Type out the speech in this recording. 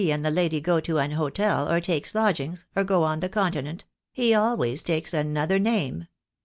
7 I and the lady go to an hotel, or takes lodgings, or go on the Continent — he always takes another name.